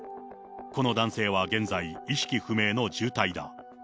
この男性は現在、意識不明の重体だ。